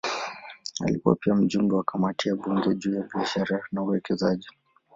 Alikuwa pia mjumbe wa kamati ya bunge juu ya biashara na uwekezaji.